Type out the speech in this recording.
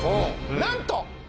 なんと。